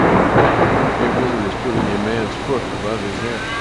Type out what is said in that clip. A woman is putting a man 's foot above his head.